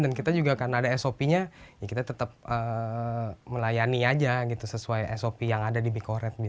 dan kita juga karena ada sop nya kita tetap melayani aja sesuai sop yang ada di big oret